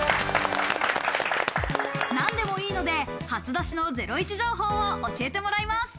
なんでもいいので、初出しのゼロイチ情報を教えてもらいます。